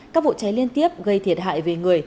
các vụ cháy liên tiếp gây thiệt hại về người